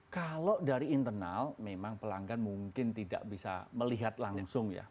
kalau dari internal memang pelanggan mungkin tidak bisa melihat langsung ya